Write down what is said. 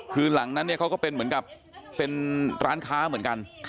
คือหลังนั้นเนี่ยเขาก็เป็นเหมือนกับเป็นร้านค้าเหมือนกัน